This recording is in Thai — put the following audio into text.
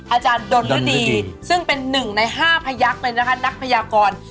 อาจารย์ดนฤดีซึ่งเป็นหนึ่งใน๕พยักษ์เลยนะคะนักพยากร